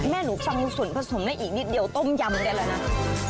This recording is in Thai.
แม่หนูสำหรับส่วนผสมได้อีกนิดเดียวต้มยำแบบนั้นล่ะนะ